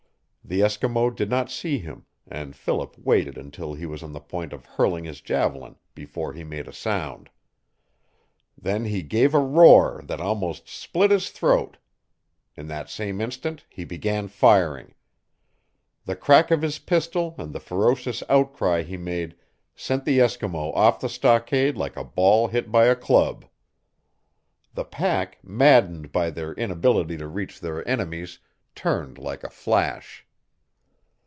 The Eskimo did not see him, and Philip waited until he was on the point of hurling his javelin before he made a sound. Then he gave a roar that almost split his throat. In the same instant he began firing. The crack of his pistol and the ferocious outcry he made sent the Eskimo off the stockade like a ball hit by a club. The pack, maddened by their inability to reach their enemies, turned like a flash.